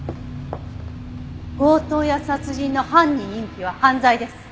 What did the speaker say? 強盗や殺人の犯人隠避は犯罪です！